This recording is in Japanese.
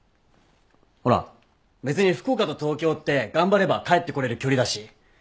ほら別に福岡と東京って頑張れば帰ってこれる距離だし。